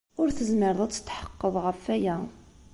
Ur tezmireḍ ad tetḥeqqeḍ ɣef waya.